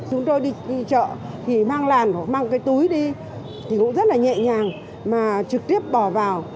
chúng tôi đi chợ thì mang làn họ mang cái túi đi thì cũng rất là nhẹ nhàng mà trực tiếp bỏ vào